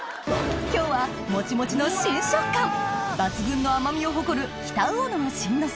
今日はモチモチの新食感抜群の甘みを誇る北魚沼新之助